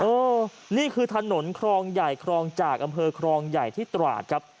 นี่คือถนนครองใหญ่ครองจากอำเภอครองใหญ่ที่ตราดครับ